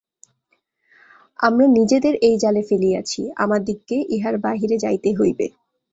আমরা নিজেদের এই জালে ফেলিয়াছি, আমাদিগকে ইহার বাহিরে যাইতে হইবে।